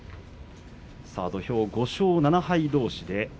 土俵は５勝７敗どうし。